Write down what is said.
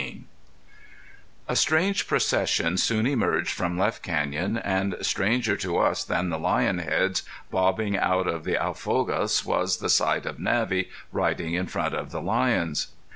XIII A strange procession soon emerged from Left Canyon and stranger to us than the lion heads bobbing out of the alfagoes was the sight of Navvy riding in front of the lions.